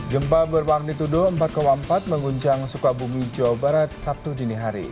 gempa berwang dituduh empat ke empat menguncang sukabumi jawa barat sabtu dini hari